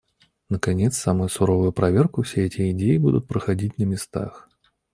Наконец, самую суровую проверку все эти идеи будут проходить на местах.